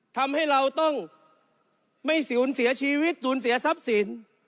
ทำให้เราต้องไม่สูญเสียชีวิตสูญเสียทรัพย์สิน